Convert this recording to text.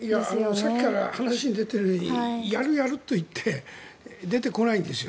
さっきから話に出ているやるやると言って出てこないんですよ。